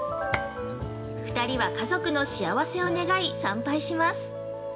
２人は家族の幸せを願い参拝します。